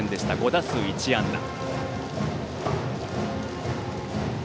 ５打数１安打。